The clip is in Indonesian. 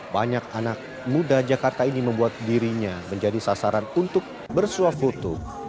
banyak anak muda jakarta ini membuat dirinya menjadi sasaran untuk bersuap foto